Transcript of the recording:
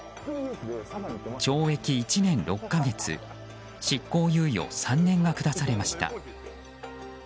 懲役１年６か月執行猶予３年が下されました。